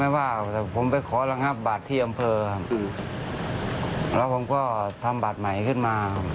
ว่าแต่ผมไปขอระงับบัตรที่อำเภอครับแล้วผมก็ทำบัตรใหม่ขึ้นมา